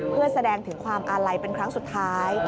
เพื่อแสดงถึงความอาลัยเป็นครั้งสุดท้าย